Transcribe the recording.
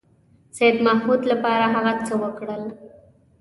سیدمحمود لپاره هغه څه وکړل.